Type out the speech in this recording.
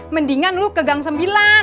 mendingan lu ke gang sembilan